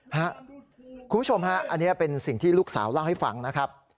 คุณผู้ชมฮะอันนี้เป็นสิ่งที่ลูกสาวเล่าให้ฟังนะครับ